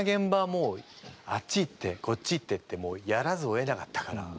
もうあっち行ってこっち行ってってもうやらざるをえなかったから。